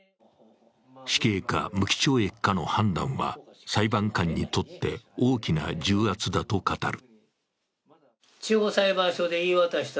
死刑か無期懲役かの判断は裁判官にとって大きな重圧だと語る。